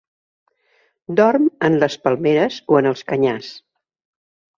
Dorm en les palmeres o en els canyars.